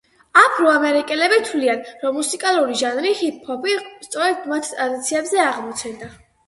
აფრო-ამერიკელები თვლიან, რომ მუსიკალური ჟანრი, ჰიპ-ჰოპი სწორედ მათ ტრადიციებზე აღმოცენდა.